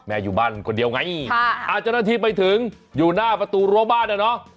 แม่อยู่บ้านคนเดียวไงอาจารย์ทีไปถึงอยู่หน้าประตูโรงพยาบาลเนี่ยเนอะ